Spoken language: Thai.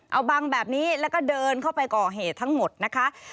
เอาบังแบบนี้แล้วก็เดินเข้าไปก่อเหตุทั้งหมดนะคะ